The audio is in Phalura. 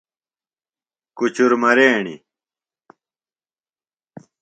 کُچُر مریݨیۡ۔